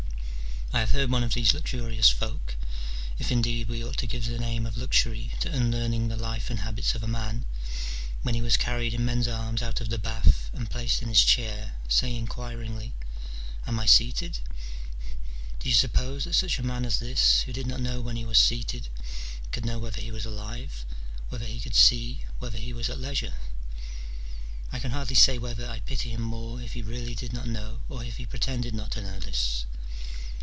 I have heard one of these luxurious folk — if indeed, we ought to give the name of luxury to unlearning the life and habits of a man — when he was carried in men's arms out of the bath and placed in his chair, say inquiringly, *' Am I seated ?" Do you suppose that such a man as this, who did not know when he was seated, could know whether he was alive, whether he could see, whether he was at leisure ? I can hardly say whether I pity him more if he really did not know or if he pretended not to know this.